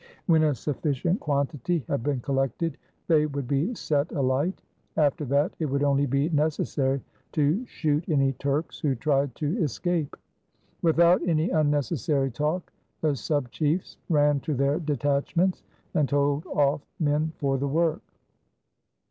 When a sufficient quantity had been collected, they would be set alight. After that, it would only be neces sary to shoot any Turks who tried to escape. Without any unnecessary talk, the sub chiefs ran to their detach ments, and told off men for the work.